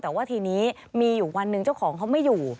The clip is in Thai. แต่ว่าทีนี้มีอยู่วันหนึ่งเจ้าของเขาไม่อยู่